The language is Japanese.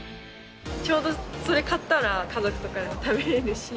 ちょうどそれ勝ったら、家族とかでも食べれるし。